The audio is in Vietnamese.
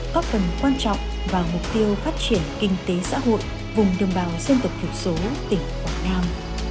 có phần quan trọng vào mục tiêu phát triển kinh tế xã hội vùng đồng bào dân tộc thiểu số tỉnh quảng nam